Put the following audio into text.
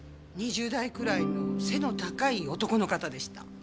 ２０代くらいの背の高い男の方でした。